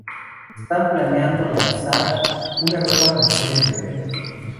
Están planeado lanzar una nueva canción en febrero.